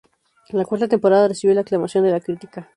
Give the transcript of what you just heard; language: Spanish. La cuarta temporada recibió la aclamación de la crítica.